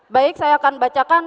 baik saya akan bacakan